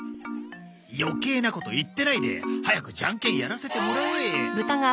余計なこと言ってないで早くジャンケンやらせてもらえ。